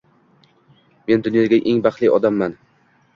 Men dunyodagi eng baxtli odamman